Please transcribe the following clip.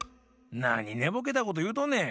なにねぼけたこというとんねん。